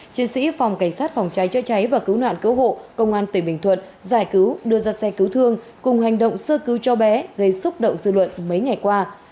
chiến sĩ phòng cảnh sát phòng cháy chữa cháy và cứu nạn cứu hộ công an tỉnh bình thuận giải cứu đưa ra xe cứu thương cùng hành động sơ cứu cho bé gây xúc động dư luận mấy ngày qua